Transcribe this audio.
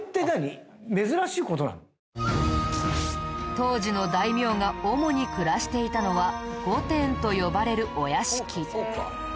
当時の大名が主に暮らしていたのは御殿と呼ばれるお屋敷。